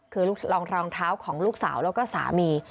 คือรองรองเท้าของลูกสาวแล้วก็สามี